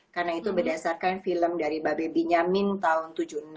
karena itu berdasarkan film dari babe binyamin tahun seribu sembilan ratus tujuh puluh enam